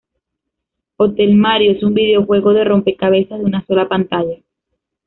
Hotel Mario es un videojuego de rompecabezas de una sola pantalla.